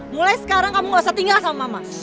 mulai sekarang kamu gak usah tinggal sama mama